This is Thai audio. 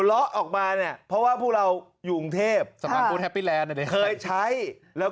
ล้อออกมาเนี่ยเพราะว่าพวกเราอยู่อุงเทพฯเคยใช้แล้ว